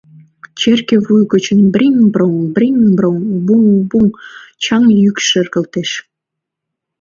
Черке вуй гычын брин-брон, брин-брон, буҥ-буҥ чаҥ йӱк шергылтеш.